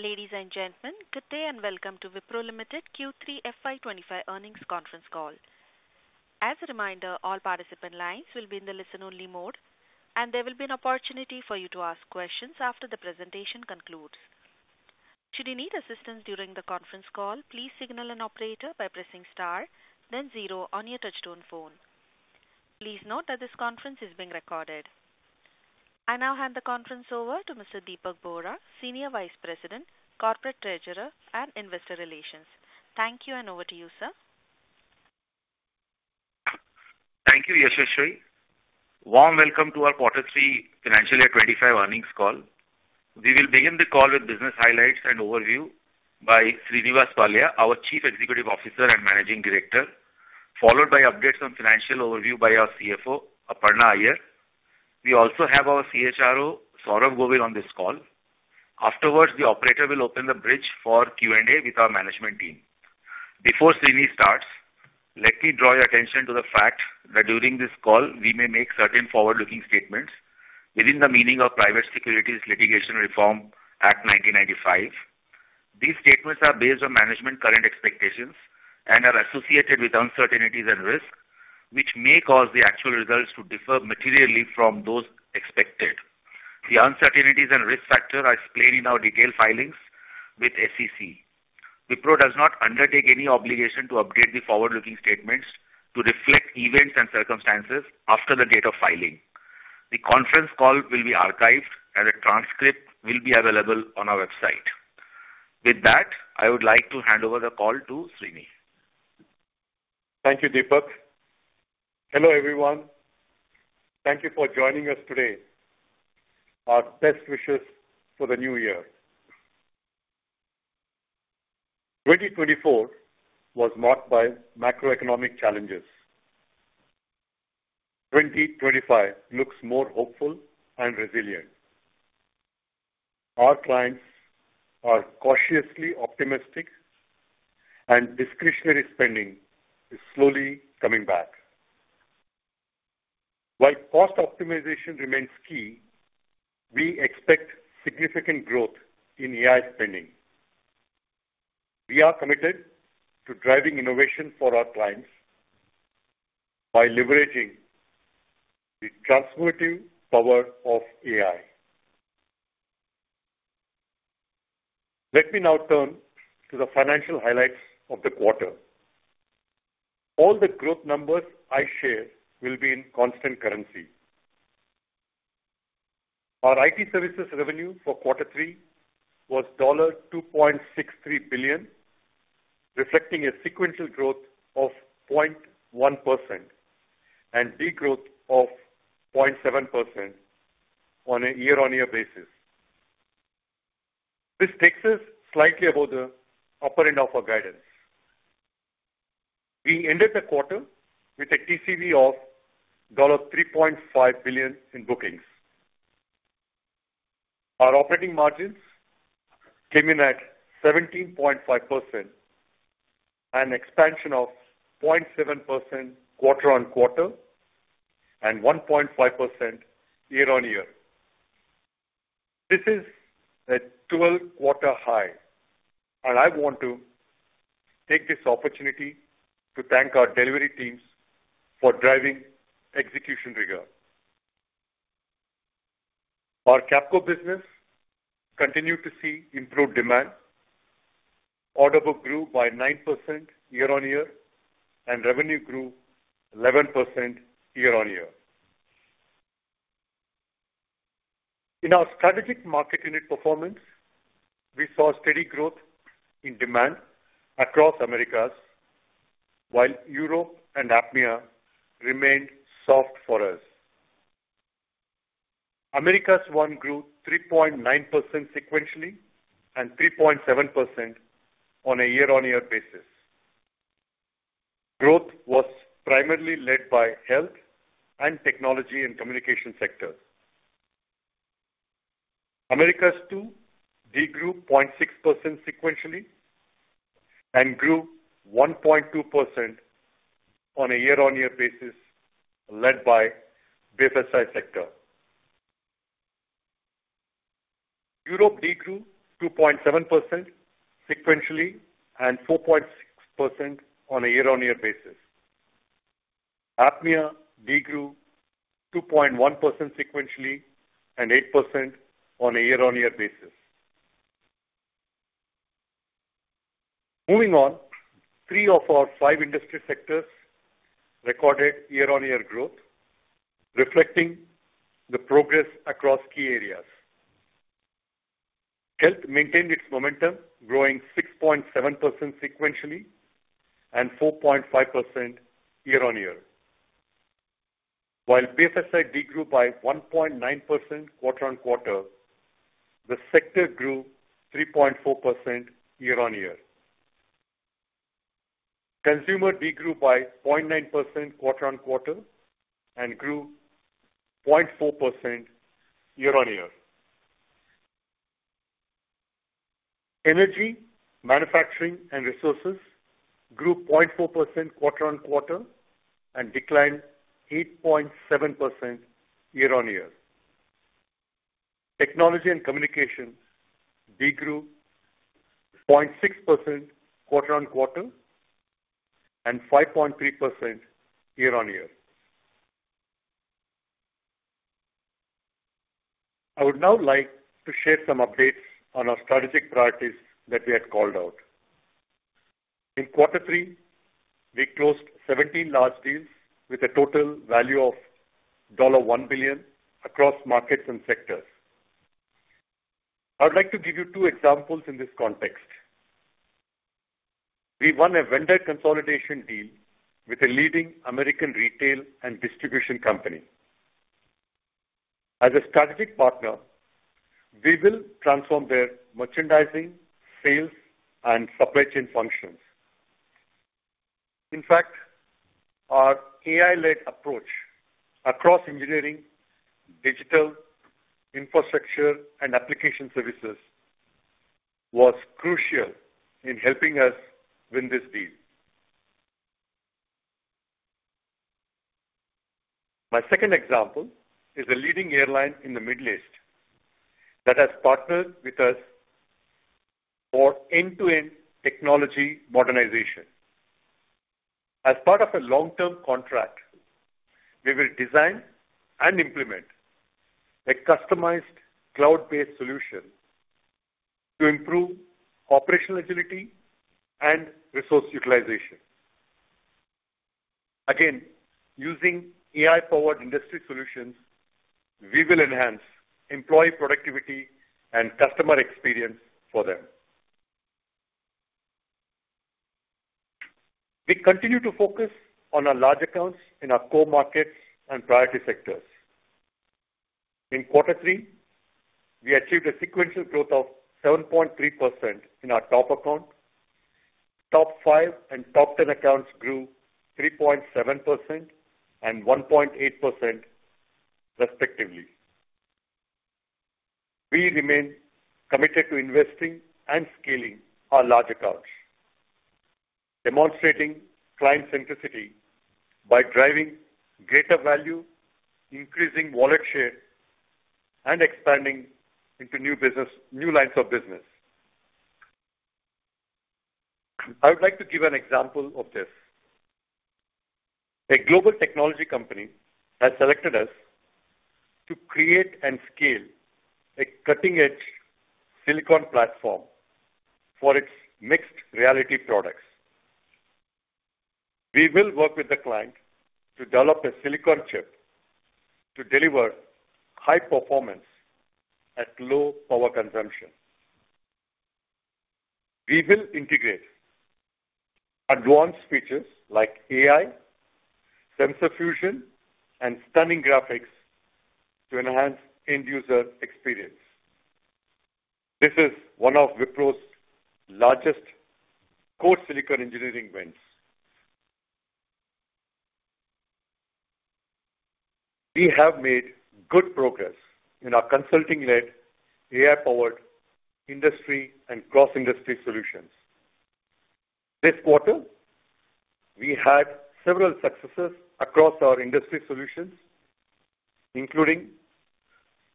Ladies and gentlemen, good day and welcome to Wipro Limited Q3 FY25 earnings conference call. As a reminder, all participant lines will be in the listen-only mode, and there will be an opportunity for you to ask questions after the presentation concludes. Should you need assistance during the conference call, please signal an operator by pressing star, then zero on your touch-tone phone. Please note that this conference is being recorded. I now hand the conference over to Mr. Dipak Bohra, Senior Vice President, Corporate Treasurer and Investor Relations. Thank you, and over to you, sir. Thank you, Yashashri. A warm welcome to our quarter three financial year 25 earnings call. We will begin the call with business highlights and overview by Srinivas Pallia, our Chief Executive Officer and Managing Director, followed by updates on financial overview by our CFO, Aparna Iyer. We also have our CHRO, Saurabh Govil, on this call. Afterwards, the operator will open the bridge for Q&A with our management team. Before Srini starts, let me draw your attention to the fact that during this call, we may make certain forward-looking statements within the meaning of Private Securities Litigation Reform Act 1995. These statements are based on management's current expectations and are associated with uncertainties and risks, which may cause the actual results to differ materially from those expected. The uncertainties and risk factors are explained in our detailed filings with SEC. Wipro does not undertake any obligation to update the forward-looking statements to reflect events and circumstances after the date of filing. The conference call will be archived, and a transcript will be available on our website. With that, I would like to hand over the call to Srini. Thank you, Dipak. Hello, everyone. Thank you for joining us today. Our best wishes for the new year. 2024 was marked by macroeconomic challenges. 2025 looks more hopeful and resilient. Our clients are cautiously optimistic, and discretionary spending is slowly coming back. While cost optimization remains key, we expect significant growth in AI spending. We are committed to driving innovation for our clients by leveraging the transformative power of AI. Let me now turn to the financial highlights of the quarter. All the growth numbers I share will be in constant currency. Our IT services revenue for quarter three was $2.63 billion, reflecting a sequential growth of 0.1% and degrowth of 0.7% on a year-on-year basis. This takes us slightly above the upper end of our guidance. We ended the quarter with a TCV of $3.5 billion in bookings. Our operating margins came in at 17.5%, an expansion of 0.7% quarter on quarter, and 1.5% year-on-year. This is a 12-quarter high, and I want to take this opportunity to thank our delivery teams for driving execution rigor. Our Capco business continued to see improved demand. Order book grew by 9% year-on-year, and revenue grew 11% year-on-year. In our strategic market unit performance, we saw steady growth in demand across Americas, while Europe and APMEA remained soft for us. Americas 1 grew 3.9% sequentially and 3.7% on a year-on-year basis. Growth was primarily led by health and technology and communication sectors. Americas 2 degrew 0.6% sequentially and grew 1.2% on a year-on-year basis, led by the FSI sector. Europe degrew 2.7% sequentially and 4.6% on a year-on-year basis. APMEA degrew 2.1% sequentially and 8% on a year-on-year basis. Moving on, three of our five industry sectors recorded year-on-year growth, reflecting the progress across key areas. Health maintained its momentum, growing 6.7% sequentially and 4.5% year-on-year. While BFSI degrew by 1.9% quarter on quarter, the sector grew 3.4% year-on-year. Consumer degrew by 0.9% quarter on quarter and grew 0.4% year-on-year. Energy, manufacturing, and resources grew 0.4% quarter on quarter and declined 8.7% year-on-year. Technology and communication degrew 0.6% quarter on quarter and 5.3% year-on-year. I would now like to share some updates on our strategic priorities that we had called out. In quarter three, we closed 17 large deals with a total value of $1 billion across markets and sectors. I would like to give you two examples in this context. We won a vendor consolidation deal with a leading American retail and distribution company. As a strategic partner, we will transform their merchandising, sales, and supply chain functions. In fact, our AI-led approach across engineering, digital, infrastructure, and application services was crucial in helping us win this deal. My second example is a leading airline in the Middle East that has partnered with us for end-to-end technology modernization. As part of a long-term contract, we will design and implement a customized cloud-based solution to improve operational agility and resource utilization. Again, using AI-powered industry solutions, we will enhance employee productivity and customer experience for them. We continue to focus on our large accounts in our core markets and priority sectors. In quarter three, we achieved a sequential growth of 7.3% in our top account. Top five and top ten accounts grew 3.7% and 1.8%, respectively. We remain committed to investing and scaling our large accounts, demonstrating client centricity by driving greater value, increasing wallet share, and expanding into new lines of business. I would like to give an example of this. A global technology company has selected us to create and scale a cutting-edge silicon platform for its mixed reality products. We will work with the client to develop a silicon chip to deliver high performance at low power consumption. We will integrate advanced features like AI, sensor fusion, and stunning graphics to enhance end-user experience. This is one of Wipro's largest core silicon engineering wins. We have made good progress in our consulting-led AI-powered industry and cross-industry solutions. This quarter, we had several successes across our industry solutions, including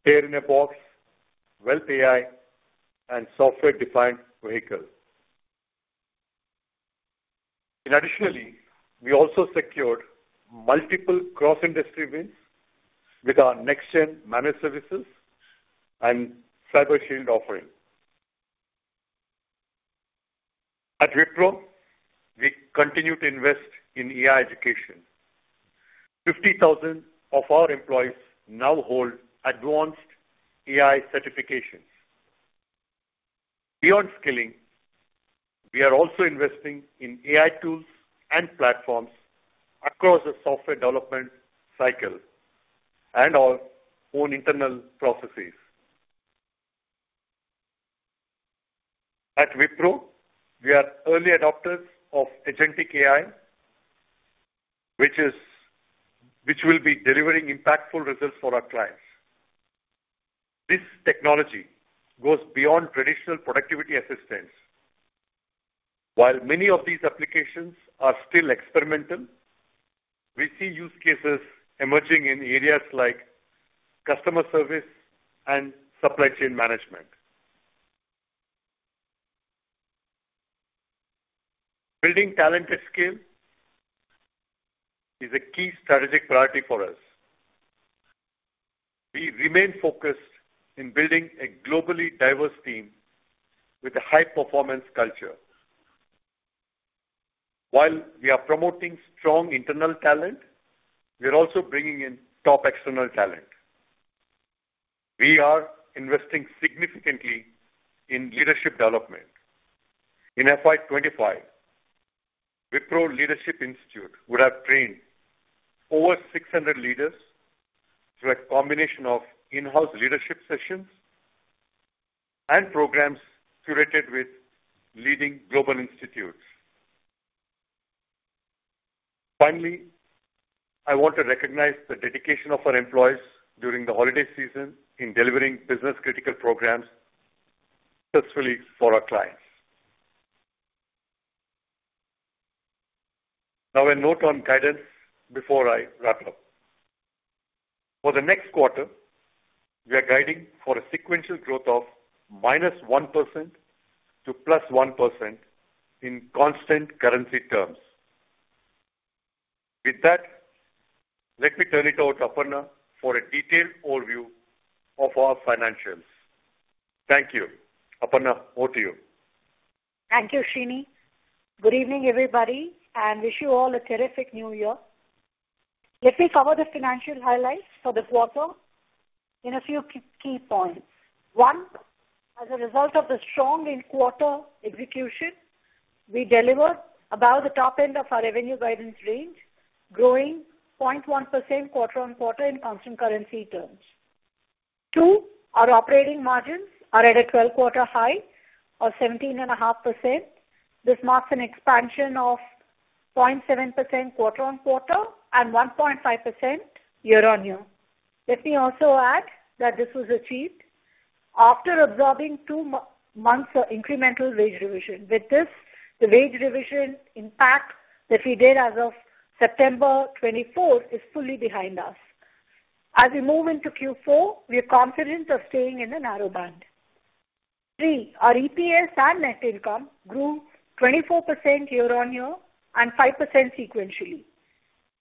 Square-in-a-Box, WealthAI, and Software-Defined Vehicle. Additionally, we also secured multiple cross-industry wins with our next-gen managed services and CyberShield offering. At Wipro, we continue to invest in AI education. 50,000 of our employees now hold advanced AI certifications. Beyond scaling, we are also investing in AI tools and platforms across the software development cycle and our own internal processes. At Wipro, we are early adopters of agentic AI, which will be delivering impactful results for our clients. This technology goes beyond traditional productivity assistance. While many of these applications are still experimental, we see use cases emerging in areas like customer service and supply chain management. Building talent at scale is a key strategic priority for us. We remain focused in building a globally diverse team with a high-performance culture. While we are promoting strong internal talent, we are also bringing in top external talent. We are investing significantly in leadership development. In FY25, Wipro Leadership Institute would have trained over 600 leaders through a combination of in-house leadership sessions and programs curated with leading global institutes. Finally, I want to recognize the dedication of our employees during the holiday season in delivering business-critical programs successfully for our clients. Now, a note on guidance before I wrap up. For the next quarter, we are guiding for a sequential growth of -1% to +1% in constant currency terms. With that, let me turn it over to Aparna for a detailed overview of our financials. Thank you. Aparna, over to you. Thank you, Srini. Good evening, everybody, and wish you all a terrific new year. Let me cover the financial highlights for the quarter in a few key points. One, as a result of the strong quarter execution, we delivered above the top end of our revenue guidance range, growing 0.1% quarter on quarter in constant currency terms. Two, our operating margins are at a 12-quarter high of 17.5%. This marks an expansion of 0.7% quarter on quarter and 1.5% year-on-year. Let me also add that this was achieved after absorbing two months of incremental wage revision. With this, the wage revision impact that we did as of September 2024 is fully behind us. As we move into Q4, we are confident of staying in the narrow band. Three, our EPS and net income grew 24% year-on-year and 5% sequentially.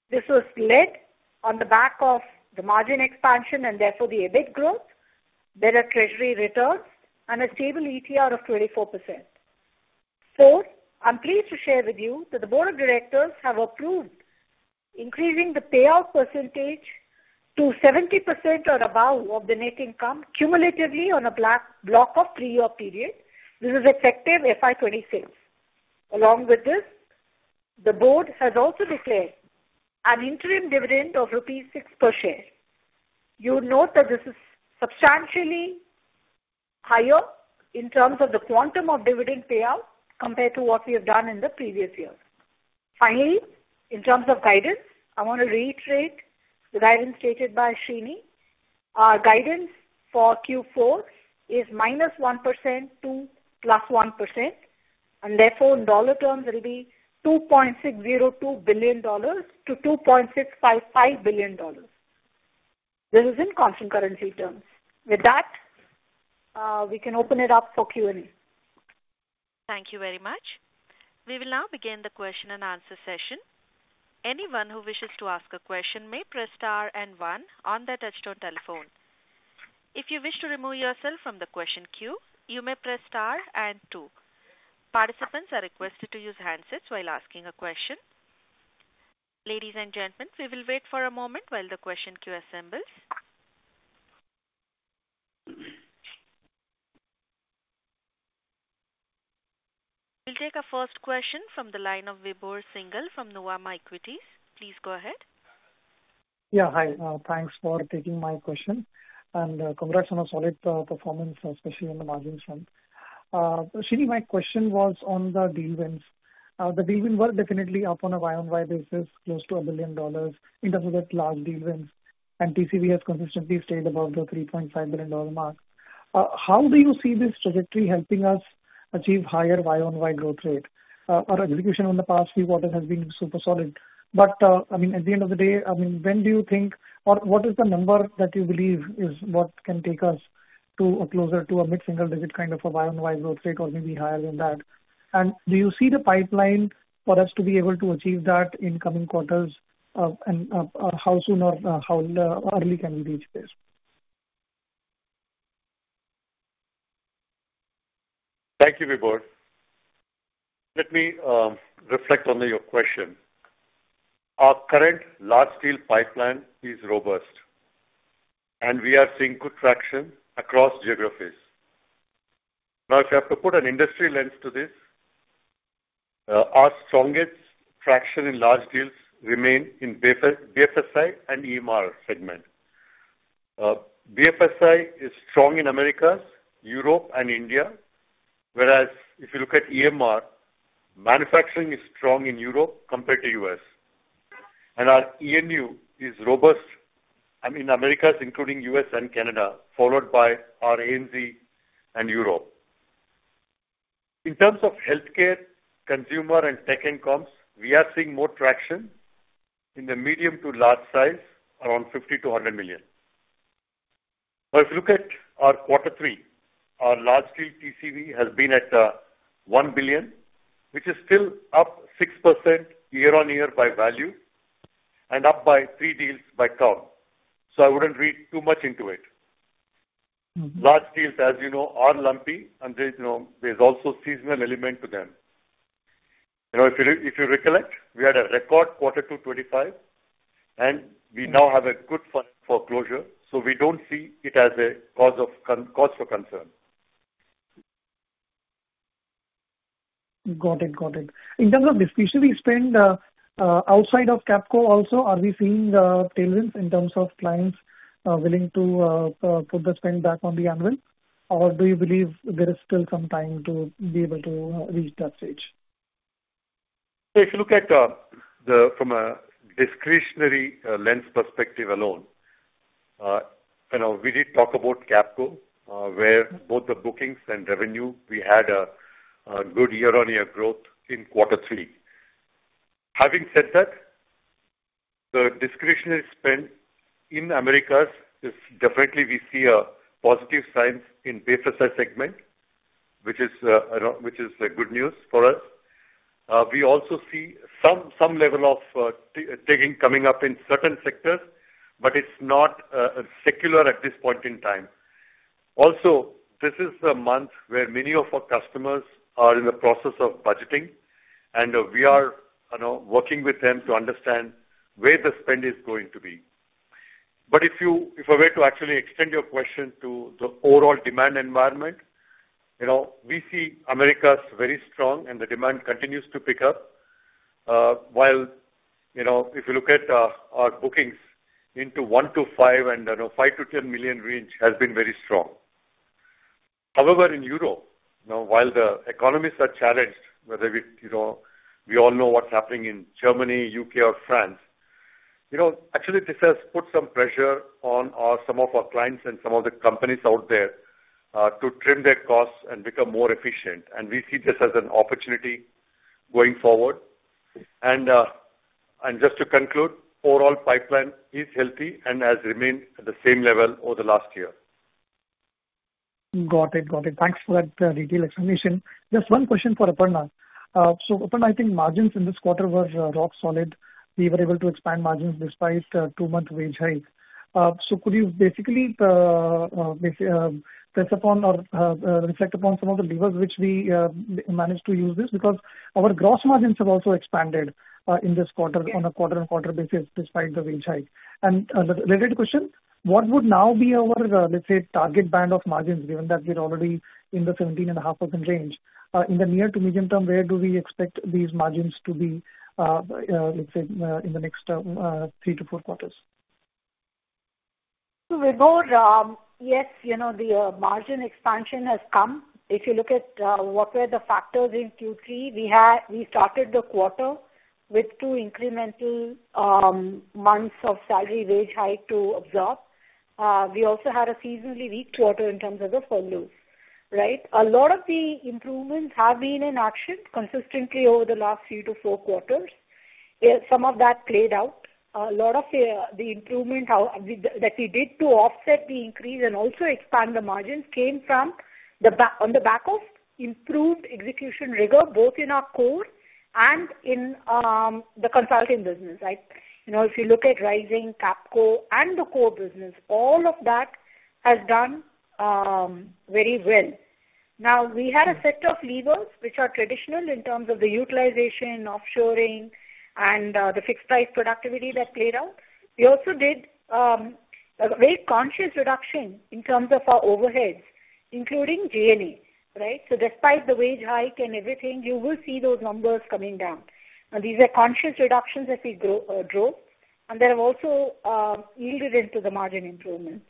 This was led on the back of the margin expansion and therefore the EBIT growth, better treasury returns, and a stable ETR of 24%. Four, I'm pleased to share with you that the board of directors have approved increasing the payout percentage to 70% or above of the net income cumulatively on a block of three-year period. This is effective FY26. Along with this, the board has also declared an interim dividend of rupees 6 per share. You would note that this is substantially higher in terms of the quantum of dividend payout compared to what we have done in the previous year. Finally, in terms of guidance, I want to reiterate the guidance stated by Srini. Our guidance for Q4 is -1% to +1%, and therefore in dollar terms, it will be $2.602 billion-$2.655 billion. This is in constant currency terms. With that, we can open it up for Q&A. Thank you very much. We will now begin the question and answer session. Anyone who wishes to ask a question may press star and one on their touch-tone telephone. If you wish to remove yourself from the question queue, you may press star and two. Participants are requested to use handsets while asking a question. Ladies and gentlemen, we will wait for a moment while the question queue assembles. We'll take a first question from the line of Vibhor Singhal from Nuvama Equities. Please go ahead. Yeah, hi. Thanks for taking my question, and congrats on a solid performance, especially on the margin front. Srini, my question was on the deal wins. The deal wins were definitely up on a Y-on-Y basis, close to $1 billion in terms of large deal wins, and TCV has consistently stayed above the $3.5 billion mark. How do you see this trajectory helping us achieve higher Y-on-Y growth rate? Our execution in the past few quarters has been super solid. But I mean, at the end of the day, I mean, when do you think, or what is the number that you believe is what can take us closer to a mid-single-digit kind of a Y-on-Y growth rate or maybe higher than that? And do you see the pipeline for us to be able to achieve that in coming quarters, and how soon or how early can we reach this? Thank you, Vibhor. Let me reflect on your question. Our current large deal pipeline is robust, and we are seeing good traction across geographies. Now, if you have to put an industry lens to this, our strongest traction in large deals remains in BFSI and EMR segment. BFSI is strong in Americas, Europe, and India, whereas if you look at EMR, manufacturing is strong in Europe compared to the U.S. And our E&U is robust in Americas, including the U.S. and Canada, followed by our ANZ and Europe. In terms of healthcare, consumer, and tech industries, we are seeing more traction in the medium to large size, around $50-$100 million. Now, if you look at our quarter three, our large deal TCV has been at $1 billion, which is still up 6% year-on-year by value and up by three deals by count. So I wouldn't read too much into it. Large deals, as you know, are lumpy, and there's also a seasonal element to them. If you recollect, we had a record quarter 225, and we now have a good funnel for closure, so we don't see it as a cause for concern. Got it. Got it. In terms of the [TCV] spend outside of Capco also, are we seeing tailwinds in terms of clients willing to put the spend back on the annual, or do you believe there is still some time to be able to reach that stage? If you look at it from a discretionary lens perspective alone, we did talk about Capco, where both the bookings and revenue, we had a good year-on-year growth in quarter three. Having said that, the discretionary spend in Americas is definitely we see a positive sign in BFSI segment, which is good news for us. We also see some level of de-risking coming up in certain sectors, but it's not secular at this point in time. Also, this is the month where many of our customers are in the process of budgeting, and we are working with them to understand where the spend is going to be. But if I were to actually extend your question to the overall demand environment, we see Americas very strong, and the demand continues to pick up. While, if you look at our bookings in the $1 million-$5 million and $5 million-$10 million range has been very strong. However, in Europe, while the economies are challenged, as we all know what's happening in Germany, U.K., or France, actually, this has put some pressure on some of our clients and some of the companies out there to trim their costs and become more efficient. And we see this as an opportunity going forward. And just to conclude, the overall pipeline is healthy and has remained at the same level over the last year. Got it. Got it. Thanks for that detailed explanation. Just one question for Aparna. So Aparna, I think margins in this quarter were rock solid. We were able to expand margins despite a two-month wage hike. So could you basically press upon or reflect upon some of the levers which we managed to use this? Because our gross margins have also expanded in this quarter on a quarter-on-quarter basis despite the wage hike. And related question, what would now be our, let's say, target band of margins given that we're already in the 17.5% range? In the near to medium term, where do we expect these margins to be, let's say, in the next three to four quarters? Vibhor, yes, the margin expansion has come. If you look at what were the factors in Q3, we started the quarter with two incremental months of salary wage hike to absorb. We also had a seasonally weak quarter in terms of the furloughs, right? A lot of the improvements have been in action consistently over the last three to four quarters. Some of that played out. A lot of the improvement that we did to offset the increase and also expand the margins came from on the back of improved execution rigor, both in our core and in the consulting business, right? If you look at rising Capco and the core business, all of that has done very well. Now, we had a set of levers which are traditional in terms of the utilization, offshoring, and the fixed-price productivity that played out. We also did a very conscious reduction in terms of our overheads, including G&A, right, so despite the wage hike and everything, you will see those numbers coming down, and these are conscious reductions as we drove, and they have also yielded into the margin improvement.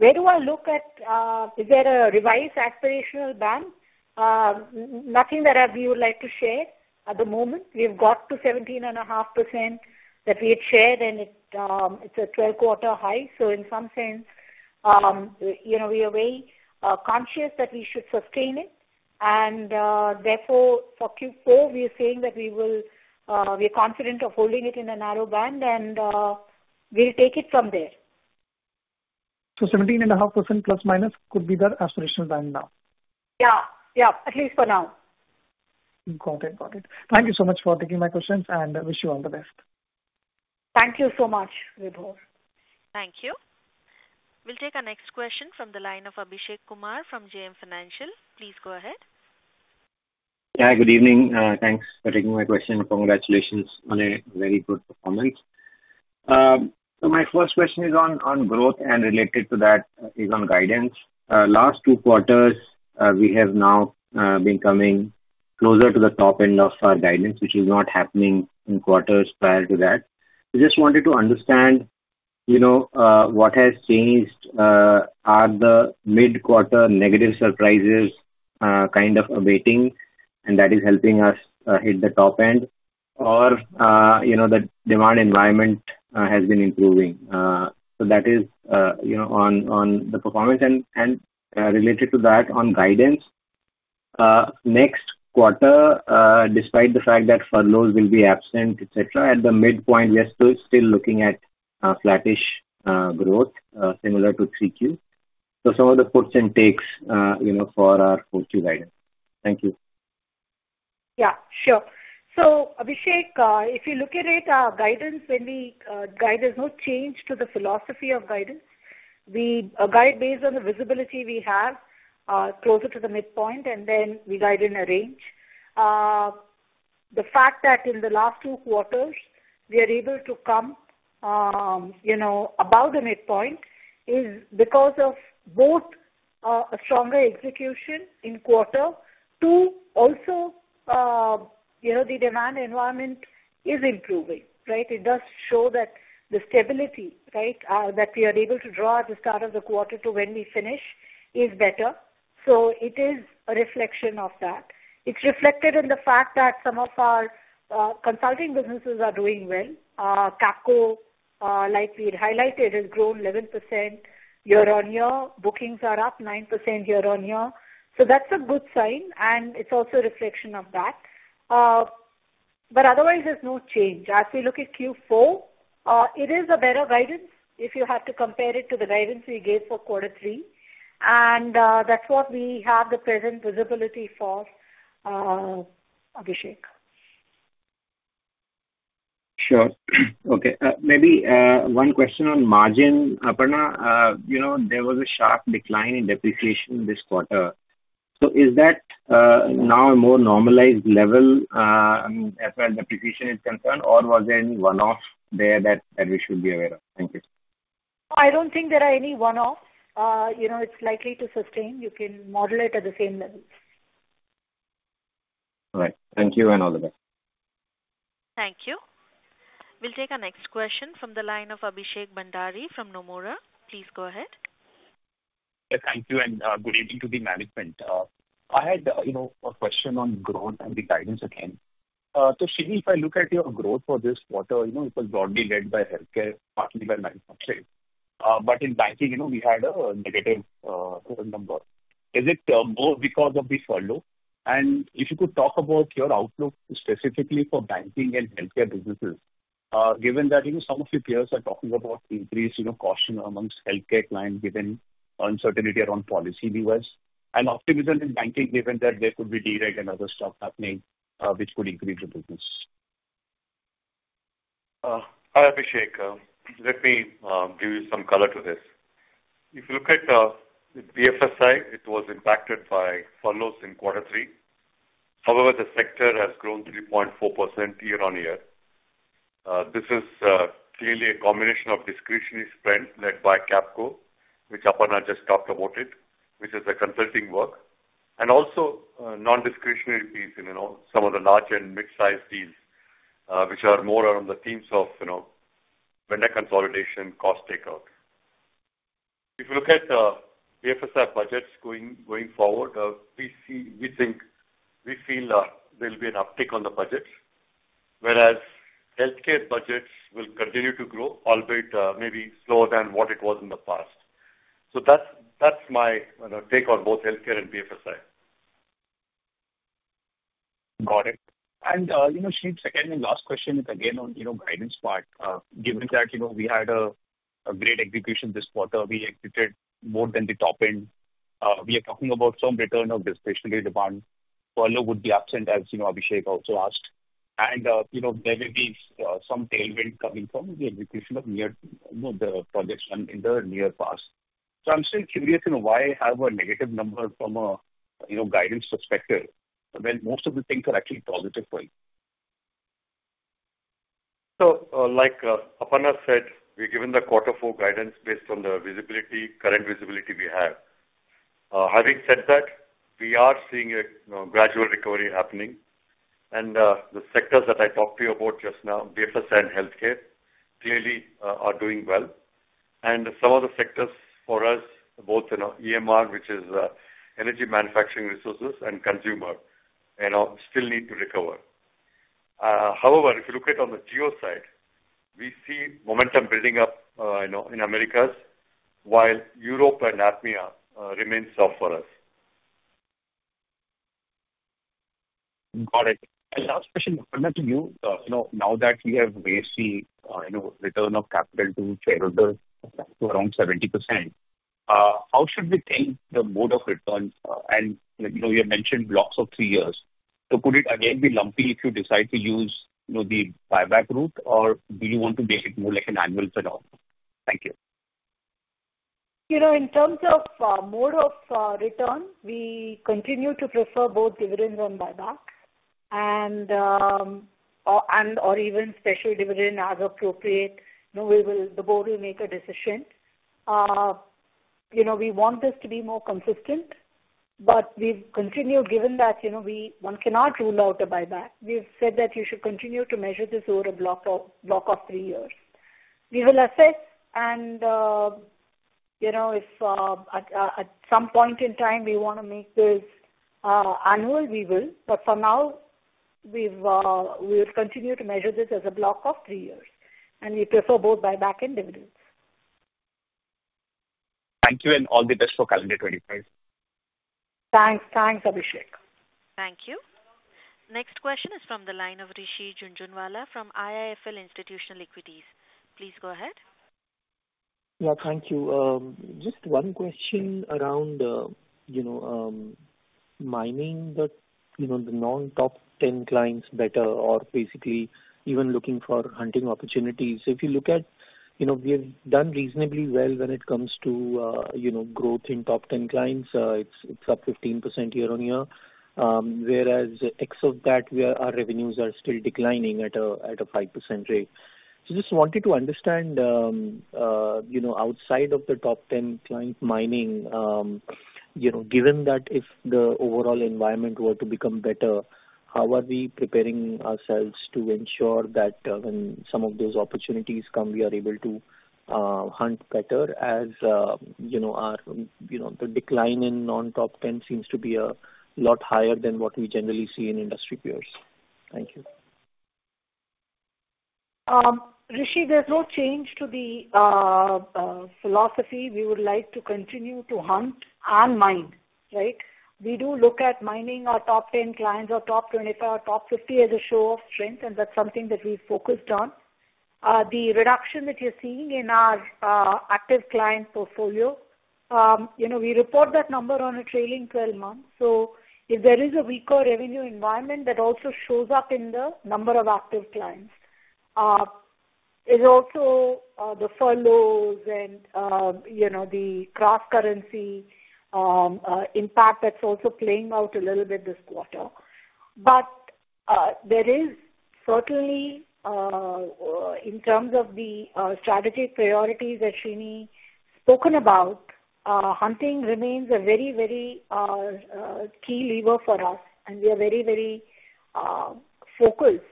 Where do I look at? Is there a revised aspirational band? Nothing that we would like to share at the moment. We've got to 17.5% that we had shared, and it's a 12-quarter high, so in some sense, we are very conscious that we should sustain it, and therefore, for Q4, we are saying that we are confident of holding it in a narrow band, and we'll take it from there. So 17.5% plus minus could be the aspirational band now? Yeah. Yeah. At least for now. Got it. Got it. Thank you so much for taking my questions, and I wish you all the best. Thank you so much, Vibhor. Thank you. We'll take our next question from the line of Abhishek Kumar from JM Financial. Please go ahead. Yeah. Good evening. Thanks for taking my question. Congratulations on a very good performance. So my first question is on growth, and related to that is on guidance. Last two quarters, we have now been coming closer to the top end of our guidance, which is not happening in quarters prior to that. We just wanted to understand what has changed. Are the mid-quarter negative surprises kind of abating, and that is helping us hit the top end, or the demand environment has been improving? So that is on the performance. And related to that, on guidance, next quarter, despite the fact that furloughs will be absent, etc., at the midpoint, we are still looking at flattish growth similar to Q3. So some of the puts and takes for our Q2 guidance. Thank you. Yeah. Sure. So Abhishek, if you look at it, our guidance, there's no change to the philosophy of guidance. We guide based on the visibility we have closer to the midpoint, and then we guide in a range. The fact that in the last two quarters, we are able to come above the midpoint is because of both a stronger execution in quarter two. Also, the demand environment is improving, right? It does show that the stability, right, that we are able to draw at the start of the quarter to when we finish is better. So it is a reflection of that. It's reflected in the fact that some of our consulting businesses are doing well. Capco, like we had highlighted, has grown 11% year-on-year. Bookings are up 9% year-on-year. So that's a good sign, and it's also a reflection of that. But otherwise, there's no change. As we look at Q4, it is a better guidance if you have to compare it to the guidance we gave for quarter three. And that's what we have the present visibility for, Abhishek. Sure. Okay. Maybe one question on margin. Aparna, there was a sharp decline in depreciation this quarter. So is that now a more normalized level as far as depreciation is concerned, or was there any one-off there that we should be aware of? Thank you. I don't think there are any one-offs. It's likely to sustain. You can model it at the same levels. All right. Thank you and all the best. Thank you. We'll take our next question from the line of Abhishek Bhandari from Nomura. Please go ahead. Yes. Thank you, and good evening to the management. I had a question on growth and the guidance again. So Srini, if I look at your growth for this quarter, it was broadly led by healthcare, partly by manufacturing. But in banking, we had a negative number. Is it both because of the furlough? And if you could talk about your outlook specifically for banking and healthcare businesses, given that some of your peers are talking about increased caution amongst healthcare clients given uncertainty around policy levers and optimism in banking given that there could be dereg and other stuff happening which could increase the business? Hi, Abhishek. Let me give you some color to this. If you look at the BFSI, it was impacted by furloughs in quarter three. However, the sector has grown 3.4% year-on-year. This is clearly a combination of discretionary spend led by Capco, which Aparna just talked about, which is the consulting work, and also non-discretionary piece, some of the large and mid-sized deals which are more around the themes of vendor consolidation, cost takeout. If you look at BFSI budgets going forward, we think we feel there will be an uptick on the budgets, whereas healthcare budgets will continue to grow, albeit maybe slower than what it was in the past. So that's my take on both healthcare and BFSI. Got it. And Srini, second and last question is again on guidance part. Given that we had a great execution this quarter, we executed more than the top end. We are talking about some return of discretionary demand. Furlough would be absent, as Abhishek also asked. And there may be some tailwinds coming from the execution of the projects done in the near past. So I'm still curious why I have a negative number from a guidance perspective when most of the things are actually positive for you? So like Aparna said, we're given the quarter four guidance based on the current visibility we have. Having said that, we are seeing a gradual recovery happening. And the sectors that I talked to you about just now, BFSI and healthcare, clearly are doing well. And some of the sectors for us, both EMR, which is energy manufacturing resources, and consumer, still need to recover. However, if you look at on the geo side, we see momentum building up in Americas while Europe and APMEA remain soft for us. Got it. And last question, Aparna, to you. Now that we have waved the return of capital to shareholders to around 70%, how should we think the mode of return? And you mentioned blocks of three years. So could it again be lumpy if you decide to use the buyback route, or do you want to make it more like an annual turnover? Thank you. In terms of mode of return, we continue to prefer both dividends and buybacks, or even special dividend as appropriate. The board will make a decision. We want this to be more consistent, but we've continued, given that one cannot rule out a buyback. We've said that you should continue to measure this over a block of three years. We will assess, and if at some point in time we want to make this annual, we will. But for now, we will continue to measure this as a block of three years, and we prefer both buyback and dividends. Thank you, and all the best for calendar 2025. Thanks. Thanks, Abhishek. Thank you. Next question is from the line of Rishi Jhunjhunwala from IIFL Institutional Equities. Please go ahead. Yeah. Thank you. Just one question around mining the non-top 10 clients better or basically even looking for hunting opportunities. If you look at, we have done reasonably well when it comes to growth in top 10 clients. It's up 15% year-on-year, whereas ex of that, our revenues are still declining at a 5% rate. So just wanted to understand, outside of the top 10 client mining, given that if the overall environment were to become better, how are we preparing ourselves to ensure that when some of those opportunities come, we are able to hunt better as the decline in non-top 10 seems to be a lot higher than what we generally see in industry peers? Thank you. Rishi, there's no change to the philosophy. We would like to continue to hunt and mine, right? We do look at mining our top 10 clients or top 25 or top 50 as a show of strength, and that's something that we've focused on. The reduction that you're seeing in our active client portfolio, we report that number on a trailing 12 months. So if there is a weaker revenue environment, that also shows up in the number of active clients. There's also the furloughs and the cross-currency impact that's also playing out a little bit this quarter. But there is certainly, in terms of the strategy priorities that Srini spoke about, hunting remains a very, very key lever for us, and we are very, very focused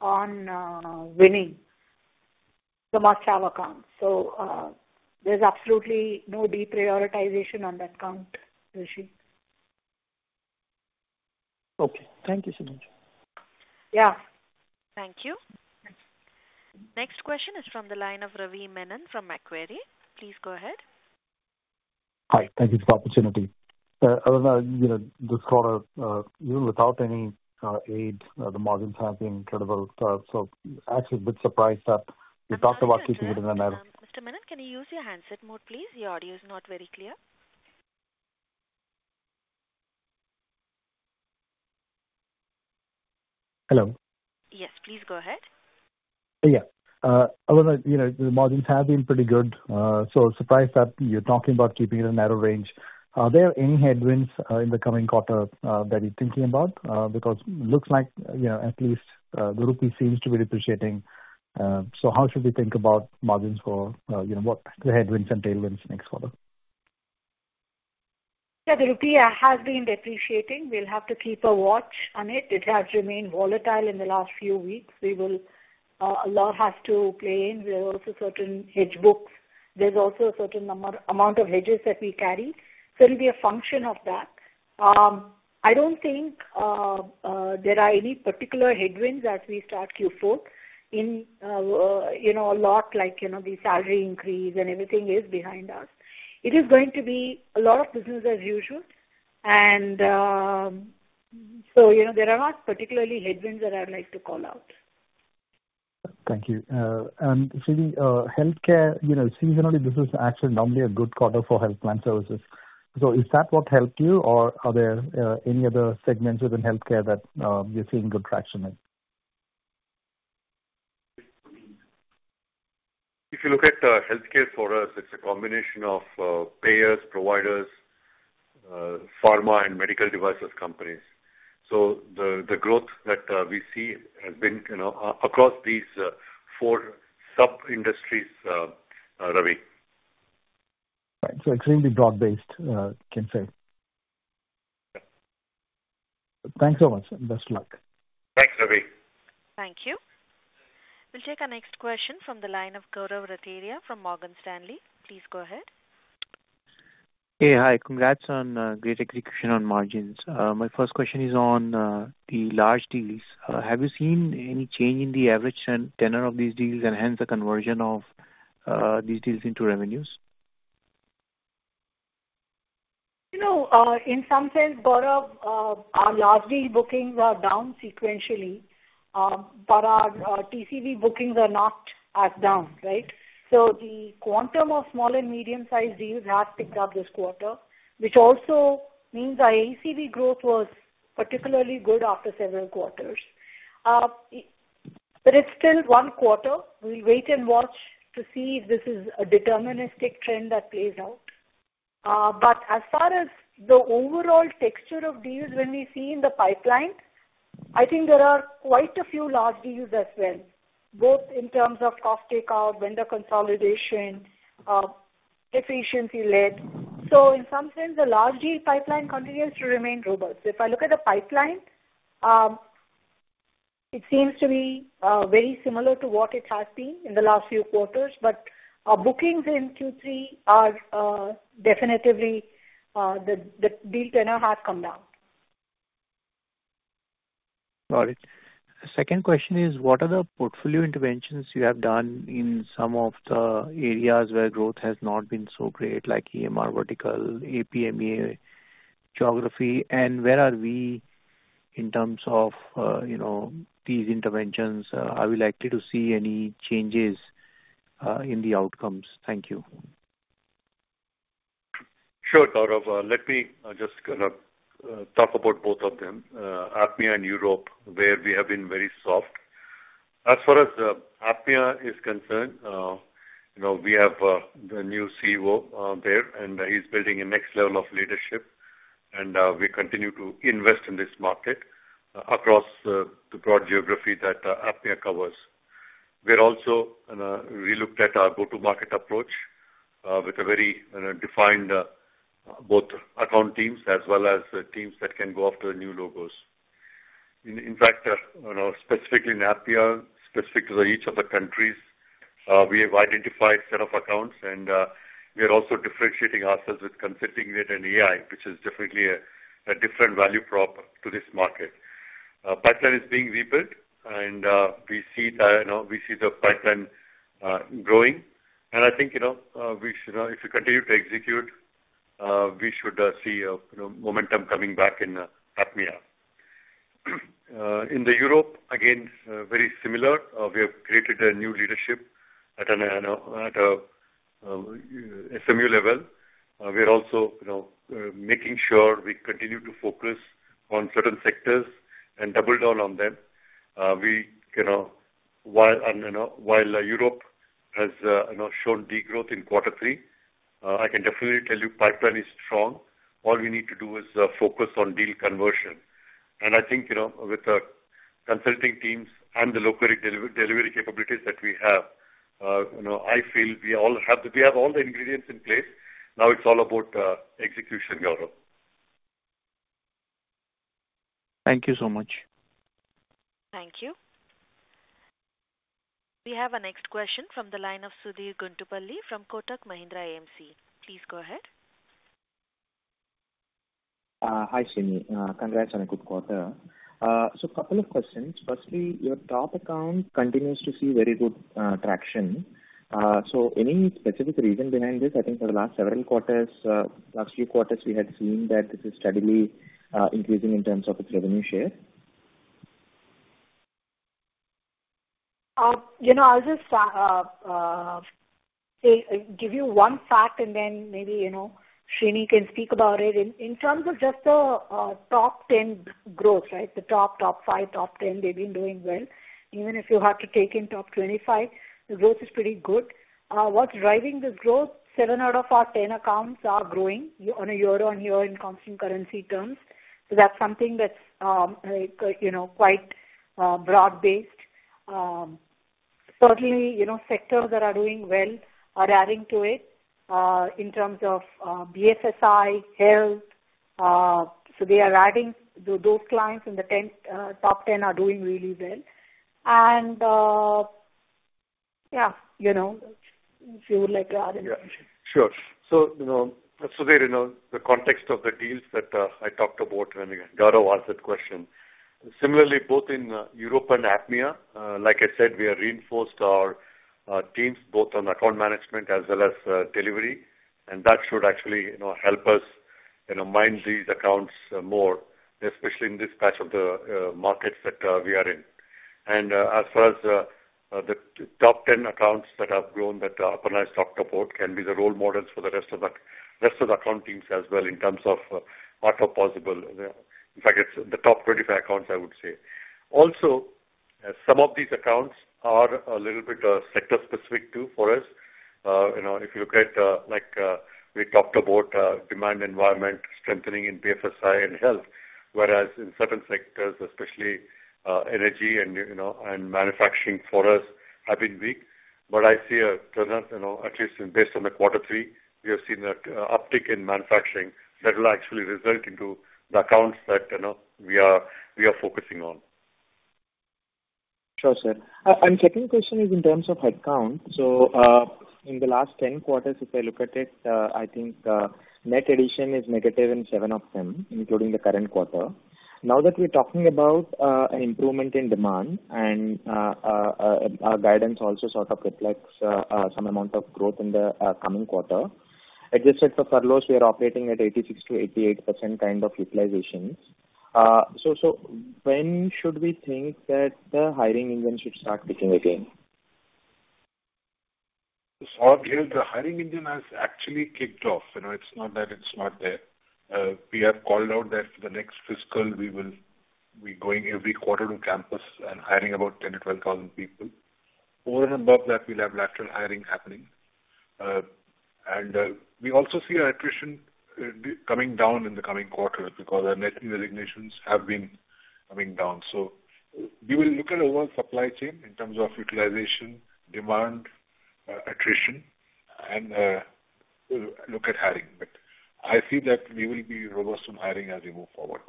on winning the must-have accounts. So there's absolutely no deprioritization on that count, Rishi. Okay. Thank you so much. Yeah. Thank you. Next question is from the line of Ravi Menon from Macquarie. Please go ahead. Hi. Thank you for the opportunity. I don't know. This quarter, even without any aid, the margins have been incredible. So actually, a bit surprised that we talked about keeping it in a narrow Mr. Menon, can you use your handset mode, please? Your audio is not very clear. Hello? Yes. Please go ahead. Yeah. I don't know. The margins have been pretty good. So, surprised that you're talking about keeping it in a narrow range. Are there any headwinds in the coming quarter that you're thinking about? Because it looks like at least the rupee seems to be depreciating. So, how should we think about margins for what the headwinds and tailwinds next quarter? Yeah. The rupee has been depreciating. We'll have to keep a watch on it. It has remained volatile in the last few weeks. A lot has to play in. There are also certain hedge books. There's also a certain amount of hedges that we carry. So it'll be a function of that. I don't think there are any particular headwinds as we start Q4, a lot like the salary increase and everything is behind us. It is going to be a lot of business as usual, and so there are not particularly headwinds that I'd like to call out. Thank you. And Srini, healthcare, seasonally, this is actually normally a good quarter for health plan services. So is that what helped you, or are there any other segments within healthcare that you're seeing good traction in? If you look at healthcare for us, it's a combination of payers, providers, pharma, and medical devices companies. So the growth that we see has been across these four sub-industries, Ravi. Right, so extremely broad-based, you can say. Yeah. Thanks so much. Best of luck. Thanks, Ravi. Thank you. We'll take our next question from the line of Gaurav Rateria from Morgan Stanley. Please go ahead. Hey, hi. Congrats on great execution on margins. My first question is on the large deals. Have you seen any change in the average tenor of these deals and hence the conversion of these deals into revenues? In some sense, Gaurav, our large deal bookings are down sequentially, but our TCV bookings are not as down, right? So the quantum of small and medium-sized deals has picked up this quarter, which also means our ACV growth was particularly good after several quarters. But it's still one quarter. We'll wait and watch to see if this is a deterministic trend that plays out. But as far as the overall texture of deals when we see in the pipeline, I think there are quite a few large deals as well, both in terms of cost takeout, vendor consolidation, efficiency-led. So in some sense, the large deal pipeline continues to remain robust. If I look at the pipeline, it seems to be very similar to what it has been in the last few quarters, but our bookings in Q3 are definitely, the deal tenor has come down. Got it. Second question is, what are the portfolio interventions you have done in some of the areas where growth has not been so great, like EMR vertical, APMEA geography? And where are we in terms of these interventions? Are we likely to see any changes in the outcomes? Thank you. Sure, Gaurav. Let me just talk about both of them, APMEA and Europe, where we have been very soft. As far as APMEA is concerned, we have the new CEO there, and he's building a next level of leadership. And we continue to invest in this market across the broad geography that APMEA covers. We're also relooked at our go-to-market approach with a very defined both account teams as well as teams that can go after new logos. In fact, specifically in APMEA, specific to each of the countries, we have identified a set of accounts, and we are also differentiating ourselves with consulting rate and AI, which is definitely a different value prop to this market. Pipeline is being rebuilt, and we see the pipeline growing. And I think if we continue to execute, we should see momentum coming back in APMEA. In Europe, again, very similar. We have created a new leadership at an SMU level. We are also making sure we continue to focus on certain sectors and double down on them. While Europe has shown degrowth in quarter three, I can definitely tell you pipeline is strong. All we need to do is focus on deal conversion. And I think with the consulting teams and the local delivery capabilities that we have, I feel we have all the ingredients in place. Now it's all about execution, Gaurav. Thank you so much. Thank you. We have a next question from the line of Sudheer Guntupalli from Kotak Mahindra AMC. Please go ahead. Hi, Srini. Congrats on a good quarter. So a couple of questions. Firstly, your top account continues to see very good traction. So any specific reason behind this? I think for the last several quarters, last few quarters, we had seen that this is steadily increasing in terms of its revenue share. I'll just give you one fact, and then maybe Srini can speak about it. In terms of just the top 10 growth, right, the top, top 5, top 10, they've been doing well. Even if you have to take in top 25, the growth is pretty good. What's driving this growth? Seven out of our 10 accounts are growing on a year-on-year in constant currency terms. So that's something that's quite broad-based. Certainly, sectors that are doing well are adding to it in terms of BFSI, health. So they are adding those clients in the top 10 are doing really well. And yeah, if you would like to add anything. Yeah. Sure. So that's today in the context of the deals that I talked about, and Gaurav asked that question. Similarly, both in Europe and APMEA, like I said, we have reinforced our teams both on account management as well as delivery. And that should actually help us mine these accounts more, especially in this patch of the markets that we are in. And as far as the top 10 accounts that have grown that Aparna has talked about can be the role models for the rest of the account teams as well in terms of what are possible. In fact, it's the top 25 accounts, I would say. Also, some of these accounts are a little bit sector-specific too for us. If you look at we talked about demand environment strengthening in BFSI and health, whereas in certain sectors, especially energy and manufacturing for us, have been weak. But I see a turnout, at least based on the quarter three, we have seen an uptick in manufacturing that will actually result into the accounts that we are focusing on. Sure, sir. And second question is in terms of headcount. So in the last 10 quarters, if I look at it, I think net addition is negative in seven of them, including the current quarter. Now that we're talking about an improvement in demand and our guidance also sort of reflects some amount of growth in the coming quarter, adjusted for furloughs, we are operating at 86%-88% kind of utilization. So when should we think that the hiring engine should start kicking again? Sudheer, the hiring engine has actually kicked off. It's not that it's not there. We have called out that for the next fiscal, we will be going every quarter to campus and hiring about 10-12,000 people. Over and above that, we'll have lateral hiring happening. And we also see our attrition coming down in the coming quarter because our net resignations have been coming down. So we will look at overall supply chain in terms of utilization, demand, attrition, and look at hiring. But I see that we will be robust on hiring as we move forward.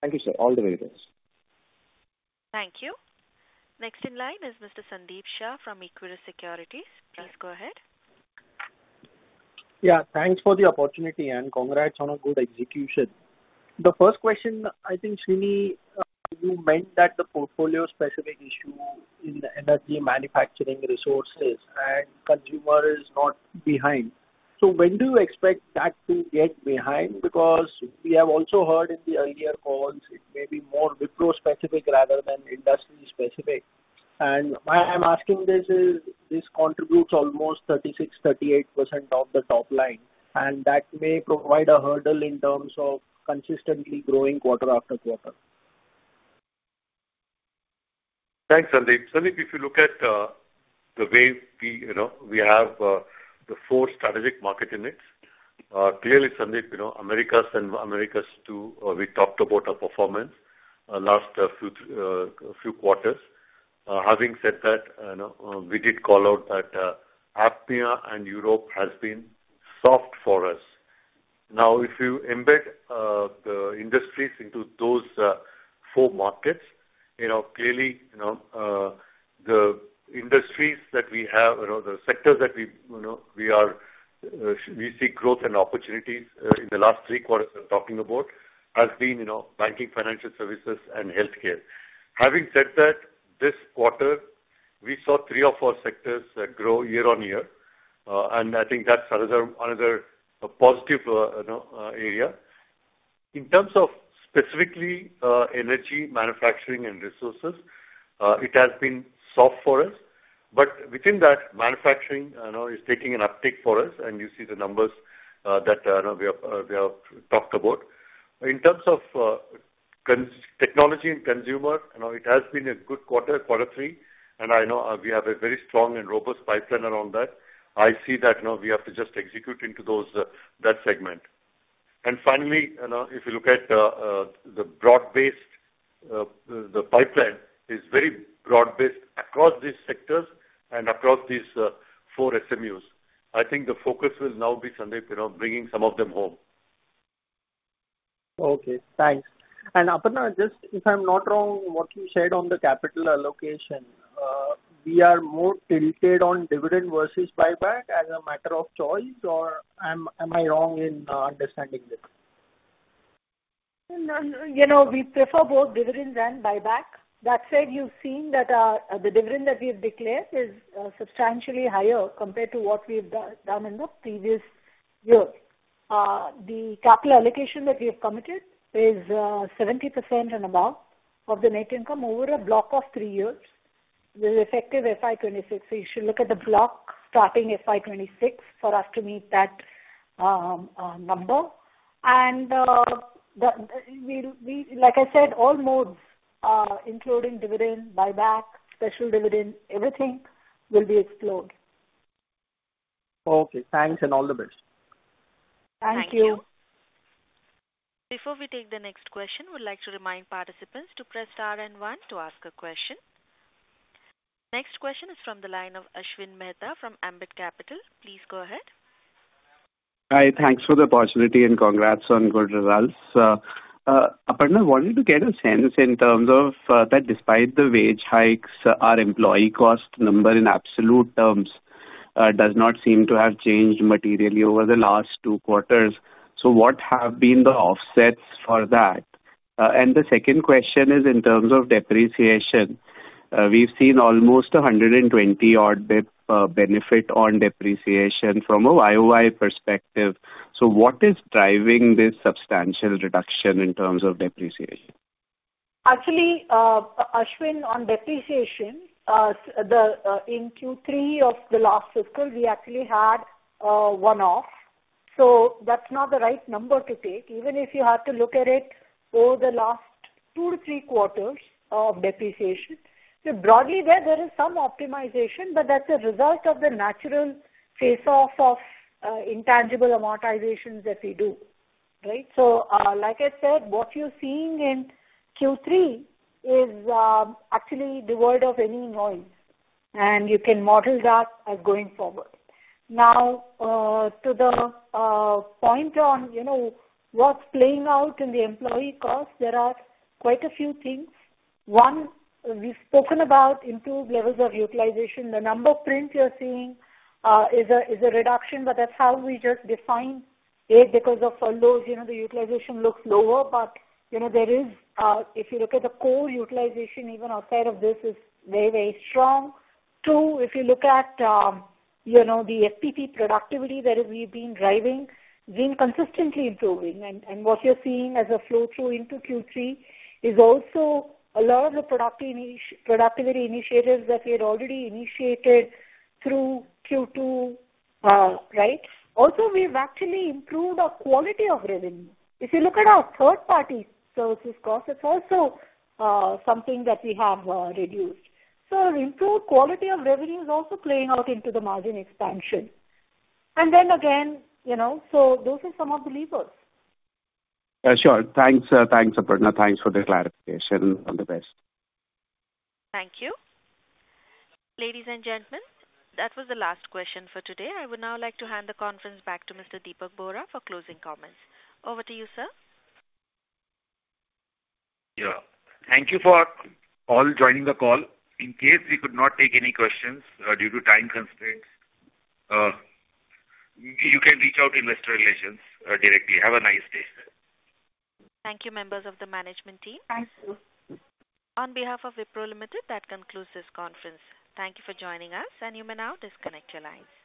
Thank you, sir. All the very best. Thank you. Next in line is Mr. Sandeep Shah from Equirus Securities. Please go ahead. Yeah. Thanks for the opportunity, and congrats on a good execution. The first question, I think, Srini, you meant that the portfolio specific issue in energy manufacturing resources and consumer is not behind. So when do you expect that to get behind? Because we have also heard in the earlier calls it may be more Wipro specific rather than industry specific. And why I'm asking this is this contributes almost 36%-38% of the top line, and that may provide a hurdle in terms of consistently growing quarter after quarter. Thanks, Sandeep. Sandeep, if you look at the way we have the four strategic market units, clearly, Sandeep, Americas 1 and Americas 2, we talked about our performance last few quarters. Having said that, we did call out that APMEA and Europe have been soft for us. Now, if you embed the industries into those four markets, clearly, the industries that we have, the sectors that we see growth and opportunities in the last three quarters we're talking about have been banking, financial services, and healthcare. Having said that, this quarter, we saw three of our sectors grow year-on-year, and I think that's another positive area. In terms of specifically energy, manufacturing, and resources, it has been soft for us. But within that, manufacturing is taking an uptick for us, and you see the numbers that we have talked about. In terms of technology and consumer, it has been a good quarter, quarter three, and I know we have a very strong and robust pipeline around that. I see that we have to just execute into that segment. And finally, if you look at the broad-based, the pipeline is very broad-based across these sectors and across these four SMUs. I think the focus will now be, Sandeep, bringing some of them home. Okay. Thanks. And Aparna, just if I'm not wrong, what you said on the capital allocation, we are more tilted on dividend versus buyback as a matter of choice, or am I wrong in understanding this? We prefer both dividends and buyback. That said, you've seen that the dividend that we have declared is substantially higher compared to what we've done in the previous year. The capital allocation that we have committed is 70% and above of the net income over a block of three years with effective FY26. So you should look at the block starting FY26 for us to meet that number. And like I said, all modes, including dividend, buyback, special dividend, everything will be explored. Okay. Thanks and all the best. Thank you. Thank you. Before we take the next question, we'd like to remind participants to press star and one to ask a question. Next question is from the line of Ashwin Mehta from Ambit Capital. Please go ahead. Hi. Thanks for the opportunity and congrats on good results. Aparna, I wanted to get a sense in terms of that despite the wage hikes, our employee cost number in absolute terms does not seem to have changed materially over the last two quarters. So what have been the offsets for that? And the second question is in terms of depreciation. We've seen almost 120-odd basis points benefit on depreciation from a YoY perspective. So what is driving this substantial reduction in terms of depreciation? Actually, Ashwin, on depreciation, in Q3 of the last fiscal, we actually had one-off. So that's not the right number to take. Even if you have to look at it over the last two to three quarters of depreciation, broadly, there is some optimization, but that's a result of the natural phase-out of intangible amortizations that we do, right? So like I said, what you're seeing in Q3 is actually devoid of any noise, and you can model that as going forward. Now, to the point on what's playing out in the employee cost, there are quite a few things. One, we've spoken about improved levels of utilization. The number of prints you're seeing is a reduction, but that's how we just define it because of furloughs. The utilization looks lower, but there is, if you look at the core utilization, even outside of this, it's very, very strong. Two, if you look at the FPP productivity that we've been driving, we've been consistently improving, and what you're seeing as a flow-through into Q3 is also a lot of the productivity initiatives that we had already initiated through Q2, right? Also, we have actually improved our quality of revenue. If you look at our third-party services cost, it's also something that we have reduced, so improved quality of revenue is also playing out into the margin expansion, and then again, so those are some of the levers. Sure. Thanks, Aparna. Thanks for the clarification. All the best. Thank you. Ladies and gentlemen, that was the last question for today. I would now like to hand the conference back to Mr. Dipak Bohra for closing comments. Over to you, sir. Yeah. Thank you for all joining the call. In case we could not take any questions due to time constraints, you can reach out to investor relations directly. Have a nice day. Thank you, members of the management team. Thank you. On behalf of Wipro Limited, that concludes this conference. Thank you for joining us, and you may now disconnect your lines.